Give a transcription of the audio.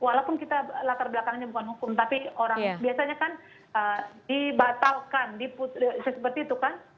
walaupun kita latar belakangnya bukan hukum tapi orang biasanya kan dibatalkan seperti itu kan